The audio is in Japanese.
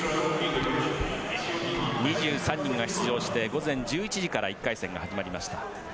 ２３人が出場して午前１１時から１回戦が始まりました。